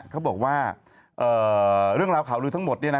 เขาบอกว่าเรื่องราวข่าวรือทั้งหมดเนี่ยนะ